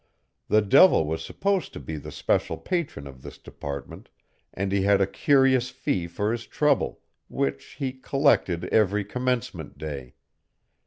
The devil was supposed to be the special patron of this department, and he had a curious fee for his trouble, which he collected every commencement day.